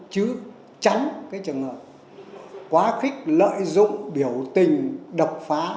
chứ tránh cái trường hợp quá khích lợi dụng biểu tình đập phá